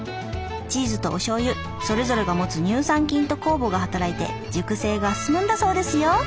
チーズとおしょうゆそれぞれが持つ乳酸菌と酵母が働いて熟成が進むんだそうですよ。